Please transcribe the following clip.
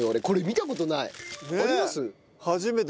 これ見た事ない。